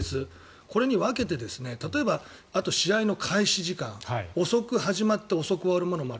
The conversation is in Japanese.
これに分けて例えば、あと試合の開始時間遅く始まって遅く終わるものもある。